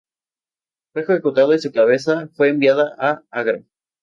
Fue ejecutado y su cabeza fue enviada a Agra.